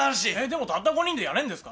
でもたった５人でやれんですか？